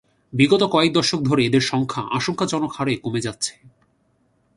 বিগত কয়েক দশক ধরে এদের সংখ্যা আশঙ্কাজনক হারে কমে যাচ্ছে।